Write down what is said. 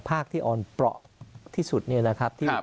ภาคที่อ่อนเปราะที่สุดนี่แหละครับ